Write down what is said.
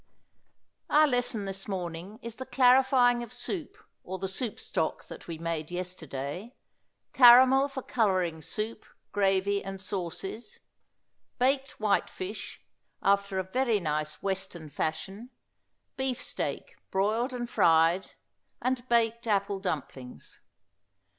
Our lesson this morning is the clarifying of soup, or the soup stock that we made yesterday; caramel for coloring soup, gravy and sauces; baked whitefish, after a very nice Western fashion; beefsteak, broiled and fried; and baked apple dumplings.